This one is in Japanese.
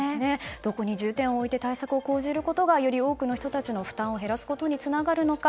どこに重点を置いて対策を講じることがより多くの人たちの負担を減らすことにつながるのか。